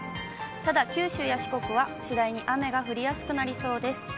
ただ、九州や四国は次第に雨が降りやすくなりそうです。